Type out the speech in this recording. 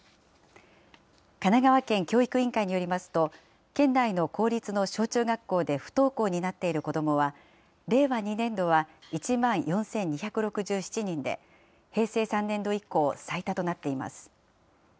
神奈川県教育委員会によりますと、県内の公立の小中学校で不登校になっている子どもは、令和２年度は１万４２６７人で平成３年度以降、最多となっています。